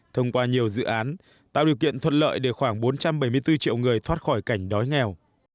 thông qua nhiều dự án tạo điều kiện thuận lợi để khoảng bốn trăm bảy mươi bốn triệu người thoát khỏi cảnh đói nghèo